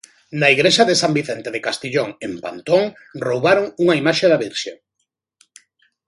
Na igrexa de San Vicente de Castillón, en Pantón, roubaron unha imaxe da Virxe.